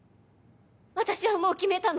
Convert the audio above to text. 私はもう決めたの。